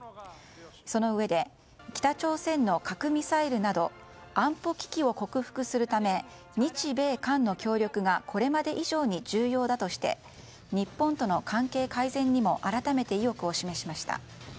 そのうえで北朝鮮の核ミサイルなど安保危機を克服するため日米韓の協力がこれまで以上に重要だとして日本との関係改善にも改めて意欲を示しました。